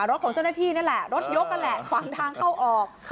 รถของเจ้าหน้าที่นี่แหละรถยกนั่นแหละขวางทางเข้าออก